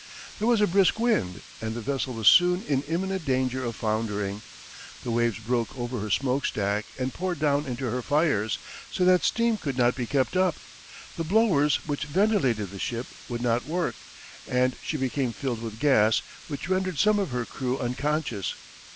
There was a brisk wind, and the vessel was soon in imminent danger of foundering. The waves broke over her smoke stack and poured down into her fires, so that steam could not be kept up; the blowers which ventilated the ship would not work, and she became filled with gas which rendered some of her crew unconscious.